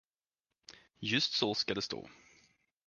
Just så skall det stå.